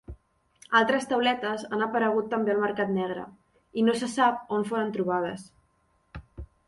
Altres tauletes han aparegut també al mercat negre i no se sap on foren trobades.